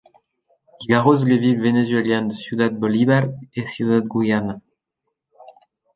Il arrose les villes vénézuéliennes de Ciudad Bolívar et Ciudad Guayana.